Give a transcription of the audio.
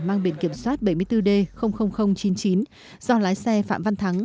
mang biển kiểm soát bảy mươi bốn d chín mươi chín do lái xe phạm văn thắng